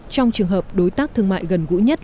trong trường hợp đối tác thương mại gần gũi nhất